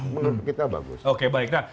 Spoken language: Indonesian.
menurut kita bagus oke baik nah